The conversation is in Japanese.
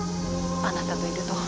あなたといると。